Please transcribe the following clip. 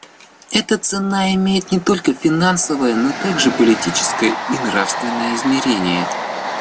Эта цена имеет не только финансовое, но также политическое и нравственное измерения.